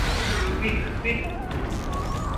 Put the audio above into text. Vidu, vidu!